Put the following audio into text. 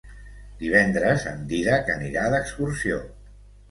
Divendres en Dídac anirà d'excursió.